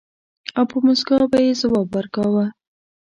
او په مُسکا به يې ځواب ورکاوه.